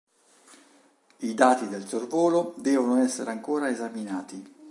I dati del sorvolo devo essere ancora esaminati.